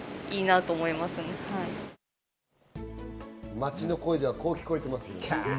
街の声ではこう聞こえています。